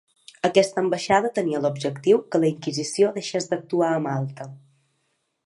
Aquesta ambaixada tenia l'objectiu que la inquisició deixés d'actuar a Malta.